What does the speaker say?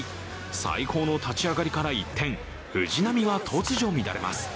最高の立ち上がりから一転藤浪が突如、乱れます。